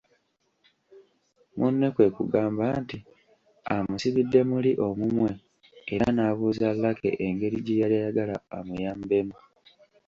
Munne kwe kugamba nti amusibidde muli omumwe era n’abuuza Lucky engeri gye yali ayagala amuyambemu.